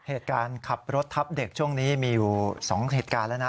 เหตุการณ์ขับรถทับเด็กช่วงนี้มีอยู่๒เหตุการณ์แล้วนะ